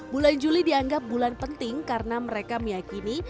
bulan juli dianggap bulan penting karena mereka meyakini